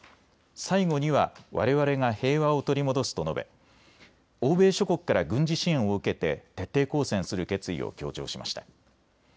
最後にはわれわれが平和を取り戻すと述べ欧米諸国から軍事支援を受けて徹底抗戦する決意を強調しました。